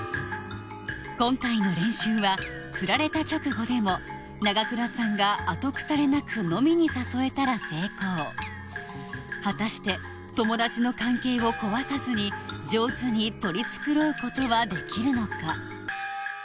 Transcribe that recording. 今回の練習はフラれた直後でも永倉さんが後腐れなく飲みに誘えたら成功果たして友達の関係を壊さずに上手に取り繕うことはできるのか？